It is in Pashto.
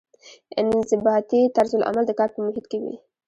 انضباطي طرزالعمل د کار په محیط کې وي.